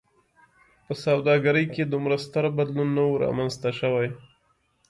په سوداګرۍ کې دومره ستر بدلون نه و رامنځته شوی.